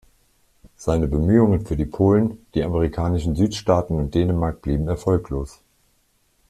Seine Bemühungen für die Polen, die amerikanischen Südstaaten und Dänemark blieben erfolglos.